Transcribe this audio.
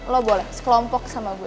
lo boleh sekelompok sama gue